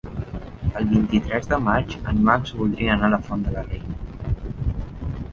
El vint-i-tres de maig en Max voldria anar a la Font de la Reina.